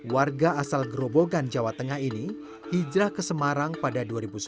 warga asal gerobogan jawa tengah ini hijrah ke semarang pada dua ribu sebelas